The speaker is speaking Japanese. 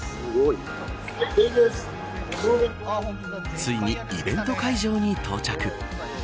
ついにイベント会場に到着。